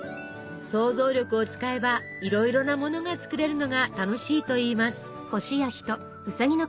想像力を使えばいろいろなものが作れるのが楽しいといいます。